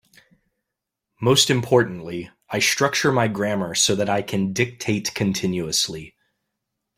Most importantly, I structure my grammar so that I can dictate continuously.